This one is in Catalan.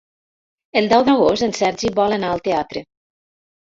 El deu d'agost en Sergi vol anar al teatre.